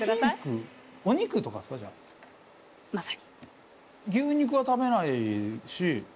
まさに。